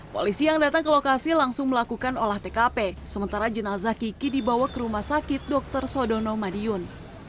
polisi yang datang ke lokasi langsung melakukan olah tkp sementara jenazah kiki dibawa ke rumah sakit dr sodono madiun